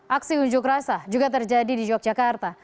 aksi unjuk rasa juga terjadi di yogyakarta